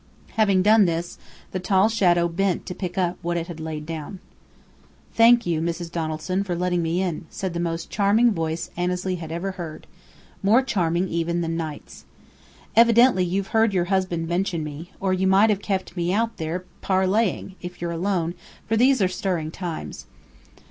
Having done this, the tall shadow bent to pick up what it had laid down. "Thank you, Mrs. Donaldson, for letting me in," said the most charming voice Annesley had ever heard more charming even than Knight's. "Evidently you've heard your husband mention me, or you might have kept me out there parleying, if you're alone, for these are stirring times."